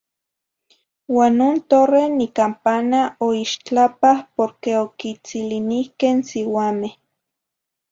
Uan non torre, nicampana oixtlapah porque oquitzilinihqueh n siuameh.